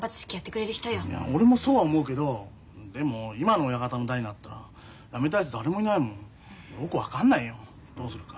俺もそうは思うけどでも今の親方の代になってからやめたやつ誰もいないもんよく分かんないよどうするか。